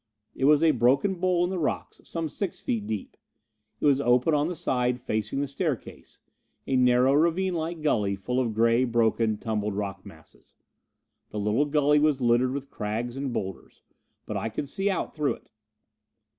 It was a broken bowl in the rocks, some six feet deep. It was open on the side facing the staircase a narrow, ravinelike gully, full of gray, broken, tumbled rock masses. The little gully was littered with crags and boulders. But I could see out through it.